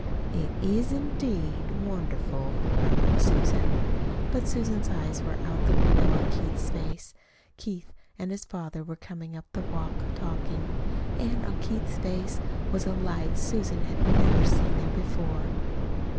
"It is, indeed wonderful," murmured Susan. But Susan's eyes were out the window on Keith's face Keith and his father were coming up the walk talking; and on Keith's face was a light Susan had never seen there before.